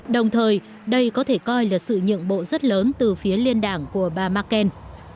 đồng thời đây có thể coi là sự nhượng bộ rất lớn từ phía liên đảng của bà mccain